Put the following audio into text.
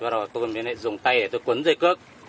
rồi tôi mới lại dùng tay để tôi cuốn dây cước